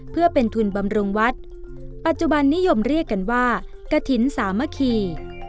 เพื่อเป็นทุนบำรุงวัดปัจจุบันนิยมเรียกกันว่ากระถิ่นสามัคคี